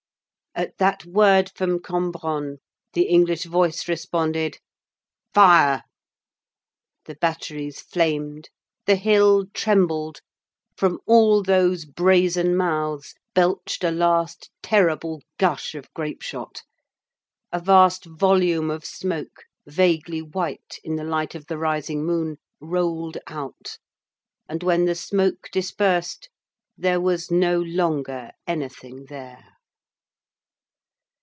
At that word from Cambronne, the English voice responded, "Fire!" The batteries flamed, the hill trembled, from all those brazen mouths belched a last terrible gush of grape shot; a vast volume of smoke, vaguely white in the light of the rising moon, rolled out, and when the smoke dispersed, there was no longer anything there.